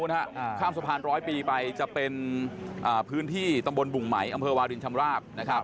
วันนี้คนปลอมบัญชีอะไร